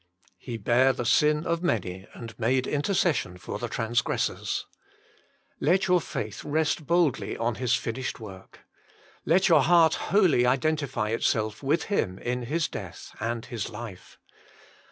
" He bare the sin of many, and made intercession for the transgressors." Let your faith rest boldly on His finished work. Let your heart wholly identify itself with Him in His death and His life.